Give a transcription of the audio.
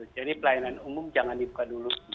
jadi pelayanan umum jangan dibuka dulu